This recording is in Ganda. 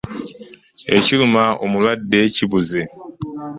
Ekiruma omulwadde kibuze.